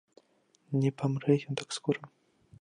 Не памрэ ён так скора.